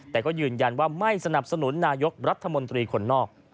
แต่ก็ยืนยันว่าไม่สนับสนุนนายกรัฐมนตรีคนนอก